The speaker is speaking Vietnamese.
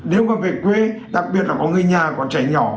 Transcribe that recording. nếu mà về quê đặc biệt là có người nhà có trẻ nhỏ